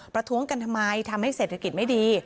ประท้วงกันทำไมทำให้เศรษฐกิจไม่ดี